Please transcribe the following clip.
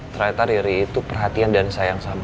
ternyata riri itu perhatian dan sayang sama lu